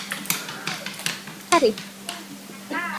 এরই মধ্যে শ্রদ্ধা জানাতে জড়ো হয়েছেন মানুষ।